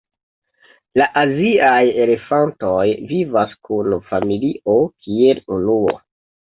La aziaj elefantoj vivas kun familio kiel unuo.